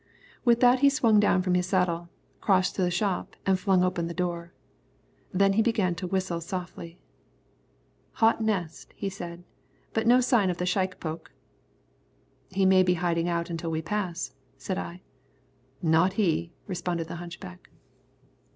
With that he swung down from his saddle, crossed to the shop, and flung open the door. Then he began to whistle softly. "Hot nest," he said, "but no sign of the shikepoke." "He may be hiding out until we pass," said I. "Not he," responded the hunchback.